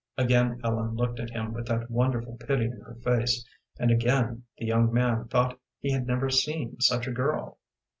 Again Ellen looked at him with that wonderful pity in her face, and again the young man thought he had never seen such a girl.